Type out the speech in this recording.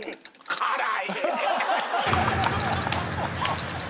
辛い！